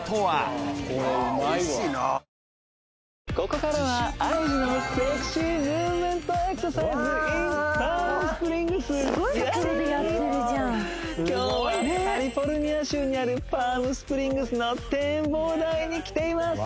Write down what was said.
ここからはイエス今日はカリフォルニア州にあるパーム・スプリングスの展望台に来ています